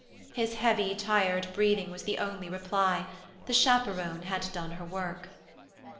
His heavy, tired breathing was the only reply; the chaperon had done her work.